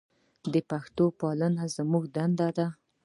د پښتو پالل زموږ دنده ده.